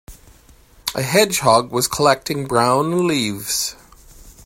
A hedgehog was collecting brown leaves.